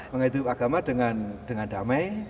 menghidup agama dengan damai